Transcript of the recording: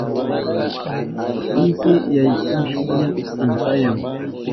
Inti yaykuhushpan amsayan.